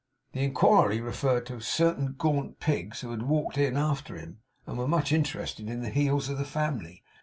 The inquiry referred to certain gaunt pigs, who had walked in after him, and were much interested in the heels of the family.